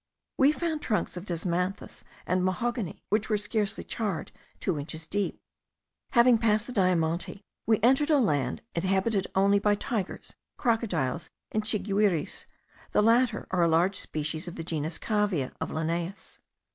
We found trunks of desmanthus and mahogany which were scarcely charred two inches deep. Having passed the Diamante we entered a land inhabited only by tigers, crocodiles, and chiguires; the latter are a large species of the genus Cavia of Linnaeus.